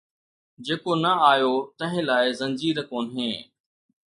جيڪو نه آيو، تنهن لاءِ زنجير ڪونهي